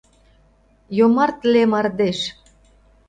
Йомартле мардеж.